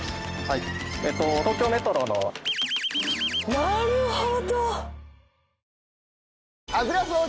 なるほど！